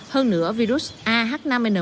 hơn nửa virus ah năm n một